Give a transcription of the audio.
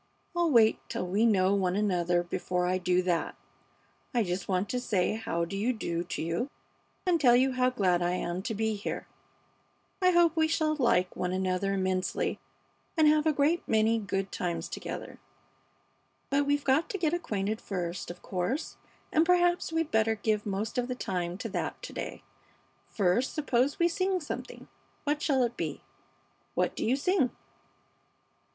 "I'll wait till we know one another before I do that. I just want to say how do you do to you, and tell you how glad I am to be here. I hope we shall like one another immensely and have a great many good times together. But we've got to get acquainted first, of course, and perhaps we'd better give most of the time to that to day. First, suppose we sing something. What shall it be? What do you sing?"